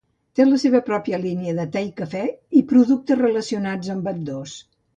Té la seva pròpia línia de te i cafè i productes relacionats amb ambdós.